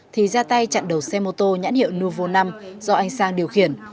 thì ra tay chặn đầu xe mô tô nhãn hiệu novo năm do anh sang điều khiển